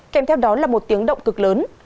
kèm theo đó là một tiếng động cực lớn